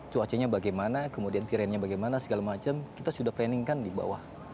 cuacanya bagaimana kemudian kerennya bagaimana segala macam kita sudah planning kan di bawah